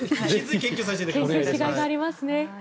研究しがいがありますね。